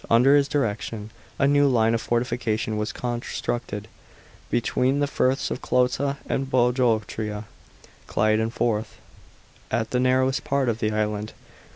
Under his direction a new line of fortifications was constructed, between the firths of Clota and Bodotria (Clyde and Forth), at the narrowest part of the island.